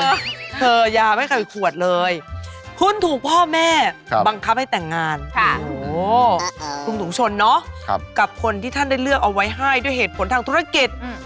โอ้โหคุณสูงชนเนอะกับคนที่ท่านได้เลือกเอาไว้ให้ด้วยเหตุผลทางธุรกิจ